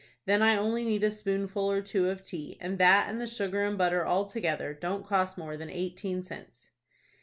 Then I only need a spoonful or two of tea, and that, and the sugar and butter altogether, don't cost more than eighteen cents."